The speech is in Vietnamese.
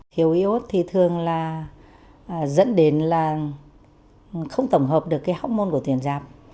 thiếu iốt thì thường là dẫn đến là không tổng hợp được cái hốc môn của tuyến giáp